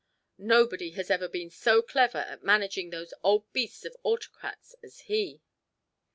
Nobody has ever been so clever at managing those old beasts of autocrats as he.